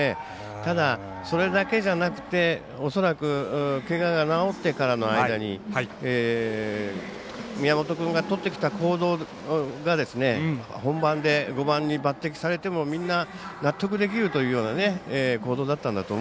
ただ、それだけじゃなくて恐らく、けがが治ってからの間に宮本君がとってきた行動が本番で５番に抜てきされてもみんな納得できるというような行動だったんじゃと。